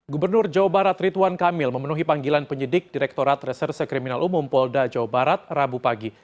gubernur jawa barat rituan kamil memenuhi panggilan penyidik direkturat reserse kriminal umum polda jawa barat rabu pagi